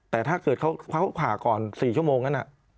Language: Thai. แต่ถ้าเกิดเขาผ่าก่อน๔ชั่วโมงนั้น